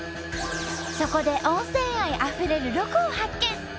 そこで温泉愛あふれるロコを発見。